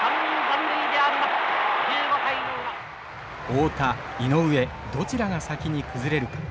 太田井上どちらが先に崩れるか。